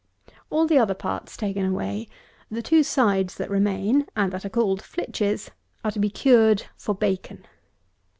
149. All the other parts taken away, the two sides that remain, and that are called flitches, are to be cured for bacon.